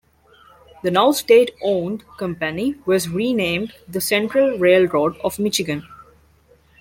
The now state-owned company was renamed the Central Railroad of Michigan.